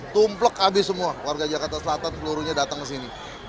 tumplek habis semua warga jakarta selatan seluruhnya datang ke sini